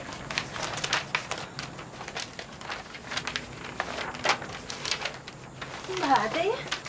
ini mbak ada ya